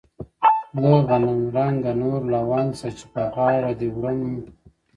وه غنمرنگه نور لونگ سه چي په غاړه دي وړم!!